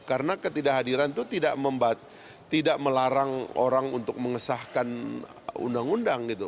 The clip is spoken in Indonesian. karena ketidakhadiran itu tidak melarang orang untuk mengesahkan undang undang gitu